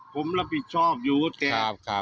ผมรับผิดชอบอยู่เข้าชม